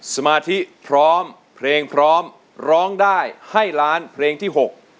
สมาธิพร้อมเพลงพร้อมร้องได้ให้ล้านเพลงที่๖